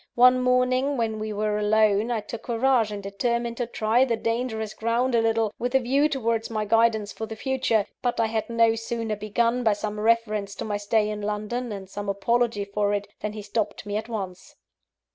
One morning, when we were alone, I took courage, and determined to try the dangerous ground a little, with a view towards my guidance for the future; but I had no sooner begun by some reference to my stay in London, and some apology for it, than he stopped me at once.